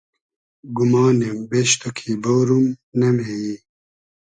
گومانیم بیش تو کی بۉروم ، نۂ مې یی